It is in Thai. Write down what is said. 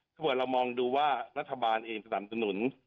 ถ้าเกิดเรามองดูว่ารัฐบาลเองสนับสนุน